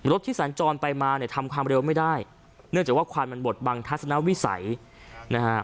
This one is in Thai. ที่สัญจรไปมาเนี่ยทำความเร็วไม่ได้เนื่องจากว่าควันมันบดบังทัศนวิสัยนะฮะ